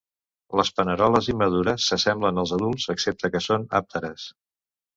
Les paneroles immadures s'assemblen als adults excepte que són àpteres.